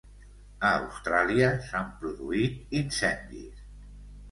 A Austràlia s'han produït incendis